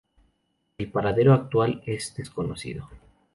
El paradero actual es desconocido.